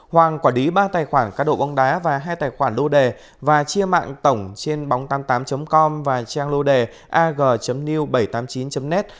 hoàng quả đí ba tài khoản cá độ bóng đá và hai tài khoản lô đề và chia mạng tổng trên bóng tám mươi tám com và trang lô đề ag new bảy trăm tám mươi chín net